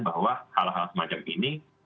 bahwa hal hal semacam ini